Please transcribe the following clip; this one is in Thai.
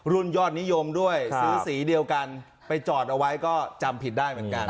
ยอดนิยมด้วยซื้อสีเดียวกันไปจอดเอาไว้ก็จำผิดได้เหมือนกัน